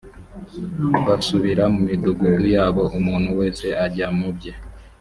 basubira mu midugudu yabo umuntu wese ajya mu bye